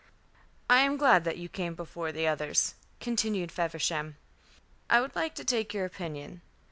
"I am glad that you came before the others," continued Feversham. "I would like to take your opinion.